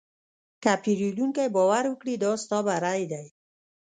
که پیرودونکی باور وکړي، دا ستا بری دی.